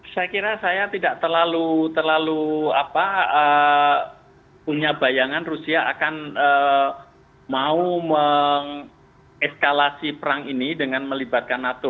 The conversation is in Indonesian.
saya kira saya tidak terlalu punya bayangan rusia akan mau mengeskalasi perang ini dengan melibatkan nato